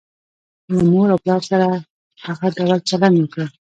له مور او پلار سره هغه ډول چلند وکړه.